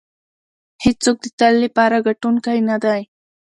هېڅوک د تل لپاره ګټونکی نه دی.